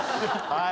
はい。